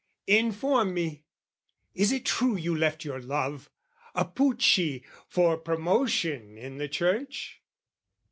Inform me, is it true you left your love, A Pucci, for promotion in the church?